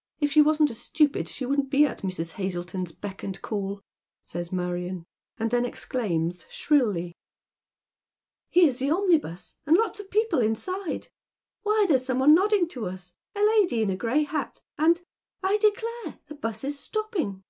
" If she wasn't a stupid, she wouldn't be at Mrs. Hazleton's beck and call," says Marion, and then exclaims, shrilly, " Here's the omnibus, and lots of people inside. Why, there's some one nodding to us — a lady in a gray hat — and — I declare, the 'bus is stopping.